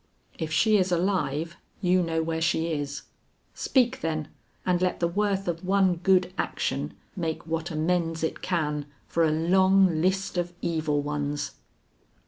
If she is alive, you know where she is; speak then, and let the worth of one good action make what amends it can for a long list of evil ones."